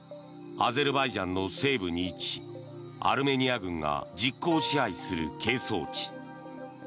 アゼルバイジャンの西部に位置しアルメニア軍が実効支配する係争地。